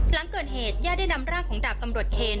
หลังเกิดเหตุญาติได้นำร่างของดาบตำรวจเคน